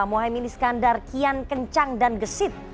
mohaimin iskandar kian kencang dan gesit